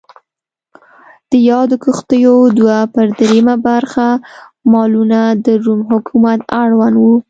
د یادو کښتیو دوه پر درېیمه برخه مالونه د روم حکومت اړوند و.